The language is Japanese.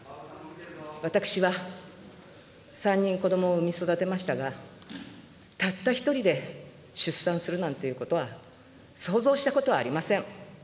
私は３人子どもを産み育てましたが、たった一人で出産するなんてことは想像したことはありません。